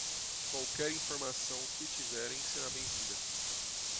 Qualquer informação que tiverem será bem-vinda.